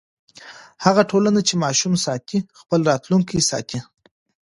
هغه ټولنه چې ماشوم ساتي، خپل راتلونکی ساتي.